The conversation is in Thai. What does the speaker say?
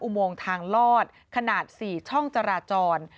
โมงทางลอดขนาด๔ช่องจราจร